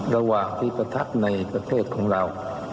ระหว่างที่ประทับในประเทศของเรา